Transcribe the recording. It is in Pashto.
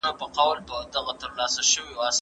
علم ولې د قوانینو په کشف پسې ګرځي؟